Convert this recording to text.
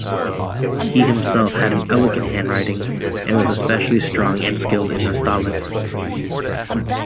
He himself had an elegant handwriting and was especially strong and skilled in Nastaliq.